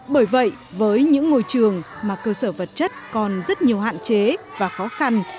bởi vậy với những ngôi trường mà cơ sở vật chất còn rất nhiều hạn chế và khó khăn